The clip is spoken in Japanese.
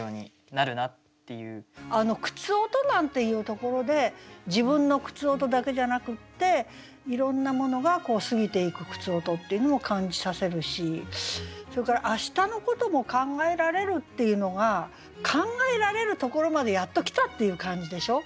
「靴音」なんていうところで自分の靴音だけじゃなくっていろんなものが過ぎていく靴音っていうのも感じさせるしそれから「明日の事も考えられる」っていうのが考えられるところまでやっと来たっていう感じでしょう？